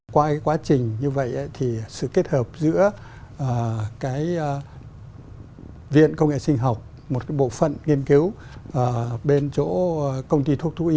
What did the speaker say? qua quá trình như vậy thì sự kết hợp giữa cái viện công nghệ sinh học một cái bộ phận nghiên cứu bên chỗ công ty thuốc thú y